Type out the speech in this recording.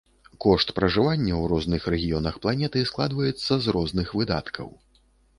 Кошт пражывання ў розных рэгіёнах планеты складваецца з розных выдаткаў.